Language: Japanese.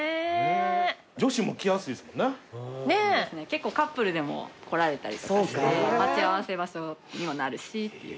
結構カップルでも来られたりとかして待ち合わせ場所にもなるしっていう感じで。